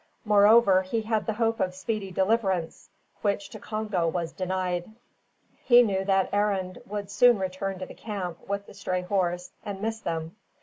Moreover, he had the hope of speedy deliverance, which to Congo was denied. He knew that Arend would soon return to the camp with the stray horse, and miss them.